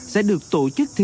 sẽ được tổ chức thi